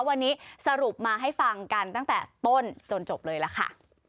วันนี้สรุปมาให้ฟังกันตั้งแต่ต้นจนจบเลยล่ะค่ะ